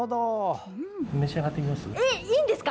召し上がってみます？